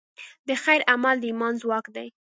د خیر عمل د ایمان ځواک دی.